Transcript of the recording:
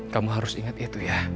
kamu harus ingat itu ya